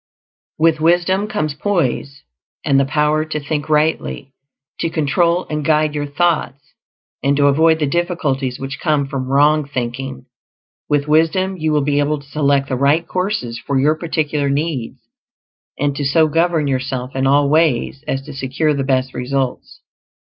With wisdom comes poise, and the power to think rightly; to control and guide your thoughts, and to avoid the difficulties which come from wrong thinking. With wisdom you will be able to select the right courses for your particular needs, and to so govern yourself in all ways as to secure the best results.